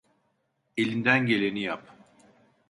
Elinden geleni yap.